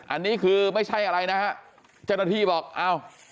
อันนี้คือไม่ใช่อะไรนะฮะเจ้าหน้าที่บอกอ้าว